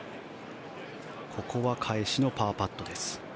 ここは返しのパーパットです。